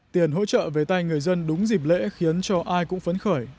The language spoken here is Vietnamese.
tiền hỗ trợ về tay người dân đúng dịp lễ khiến cho ai cũng phấn khởi